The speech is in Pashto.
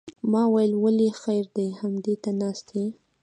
ما ویل ولې خیر دی همدې ته ناست یې.